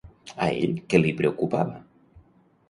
A ell què li preocupava?